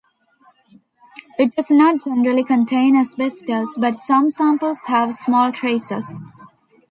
It does not generally contain asbestos, but some samples have small traces.